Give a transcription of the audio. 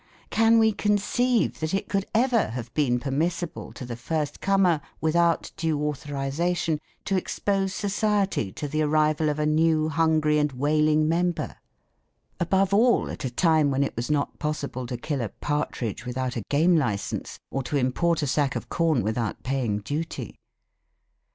Can we conceive that it could ever have been permissible to the first comer without due authorisation to expose society to the arrival of a new hungry and wailing member above all at a time when it was not possible to kill a partridge without a game licence, or to import a sack of corn without paying duty?